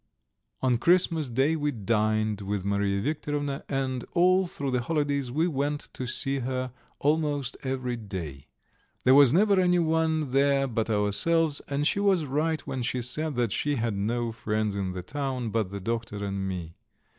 On Christmas day we dined with Mariya Viktorovna, and all through the holidays we went to see her almost every day. There was never anyone there but ourselves, and she was right when she said that she had no friends in the town but the doctor and me.